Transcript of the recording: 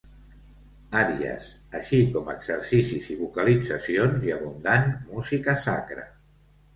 Àries, així com exercicis i vocalitzacions i abundant música sacra.